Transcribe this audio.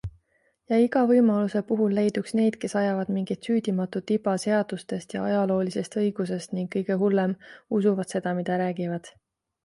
Ja iga võimaluse puhul leiduks neid, kes ajavad mingit süüdimatut iba seadustest ja ajaloolisest õigusest ning kõige hullem - usuvad seda, mida räägivad.